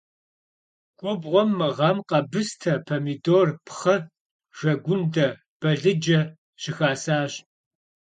Gubğuem mı ğem khebıste, pomidor, pxhı, jjegunde, balıce şıxasaş.